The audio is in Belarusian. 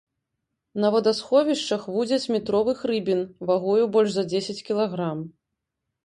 На водасховішчах вудзяць метровых рыбін вагою больш за дзесяць кілаграм.